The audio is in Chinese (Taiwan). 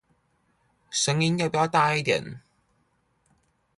聲音要不要大一點